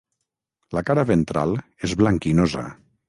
La cara ventral és blanquinosa.